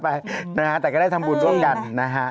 ไปนะฮะแต่ก็ได้ทำบุญร่วมกันนะฮะ